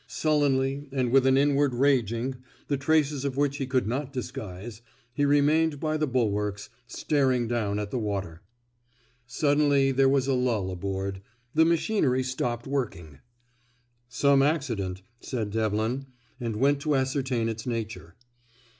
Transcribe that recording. Sullenly, and with an inward raging, the traces of which he could not disguise, he remained by the bulwarks, staring down at the water. Suddenly there was a lull aboard. The machinery stopped working. "Some accident," said Devlin, and went to ascertain its nature.